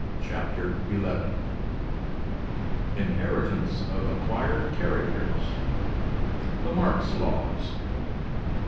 CHAPTER XI Inheritance of Acquired Characters Lamarck's Laws.